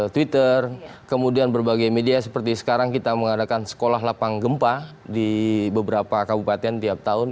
twitter kemudian berbagai media seperti sekarang kita mengadakan sekolah lapang gempa di beberapa kabupaten tiap tahun